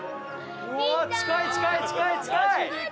近い近い近い近い！